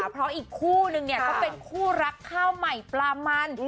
เพราะอีกคู่นึงเนี่ยก็เป็นคู่รักข้าวใหม่ปลามัน